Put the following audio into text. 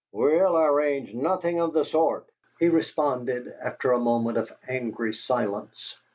"We'll arrange nothing of the sort," he responded, after a moment of angry silence.